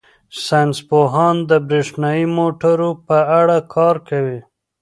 ساینس پوهان د بریښنايي موټرو په اړه کار کوي.